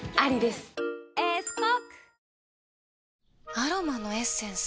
アロマのエッセンス？